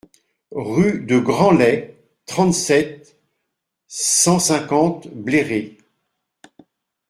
Rue de Grandlay, trente-sept, cent cinquante Bléré